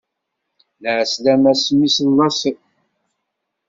Lɛeslama s mmi-s n laṣel.